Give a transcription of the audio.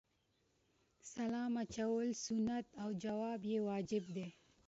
سلام اچول سنت او جواب یې واجب دی